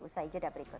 usai jeda berikut